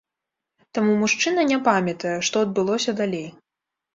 Таму мужчына не памятае, што адбылося далей.